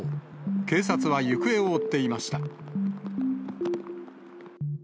警察は行方を追っていました。